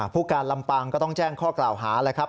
ผู้การลำปางก็ต้องแจ้งข้อกล่าวหาแล้วครับ